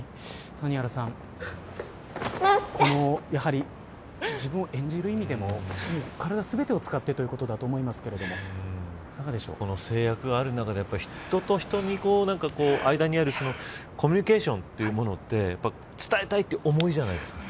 谷原さん自分を演じる意味でも体全てを使ってということだとこの制約がある中で、人と人の間にあるコミュニケーションというもので伝えたいという思いじゃないですか。